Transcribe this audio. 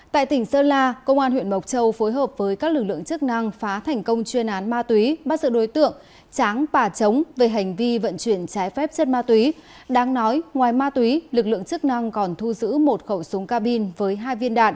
tại tỉnh sơn la công an huyện mộc châu phối hợp với các lực lượng chức năng phá thành công chuyên án ma túy bắt sự đối tượng tráng bà chống về hành vi vận chuyển trái phép chất ma túy đáng nói ngoài ma túy lực lượng chức năng còn thu giữ một khẩu súng ca bin